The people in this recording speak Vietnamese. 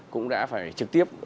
cũng đã phải trực tiếp